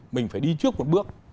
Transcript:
mình phải đi trước một bước